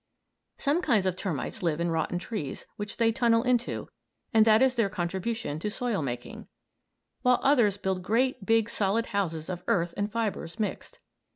Some kinds of termites live in rotten trees, which they tunnel into, and that is their contribution to soil making; while others build great, big solid houses of earth and fibres, mixed.